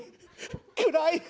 暗い！